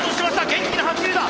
元気な走りだ！